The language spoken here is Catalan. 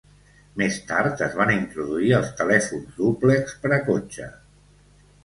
Més tard, es van introduir els telèfons dúplex per a cotxe.